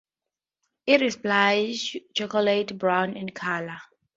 It is bluish chocolate-brown in color.